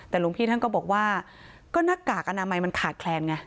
แต่หลวงพี่ท่านก็บอกว่าก็หน้ากากอนามัยมันขาดแคลนไง